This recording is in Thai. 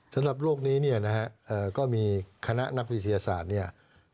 สำหรับโลกนี้เนี่ยนะฮะก็มีคณะนักวิทยาศาสตร์เนี่ย